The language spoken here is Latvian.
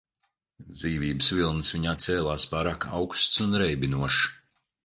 Dzīvības vilnis viņā cēlās pārāk augsts un reibinošs.